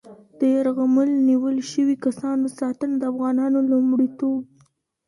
د یرغمل نیول شوي کسانو ساتنه د افغانانو لومړیتوب و.